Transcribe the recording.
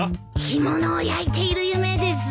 干物を焼いている夢です。